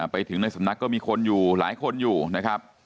ไปถึงในสำนักก็มีคนอยู่หลายคนอยู่นะครับ